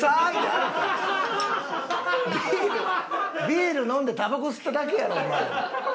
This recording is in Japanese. ビール飲んでタバコ吸っただけやろお前。